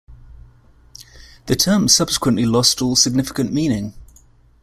The term subsequently lost all significant meaning.